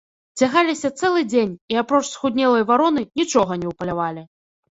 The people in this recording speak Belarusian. Цягаліся цэлы дзень і, апроч схуднелай вароны, нічога не ўпалявалі.